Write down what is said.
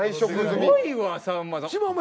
すごいわさんまさん。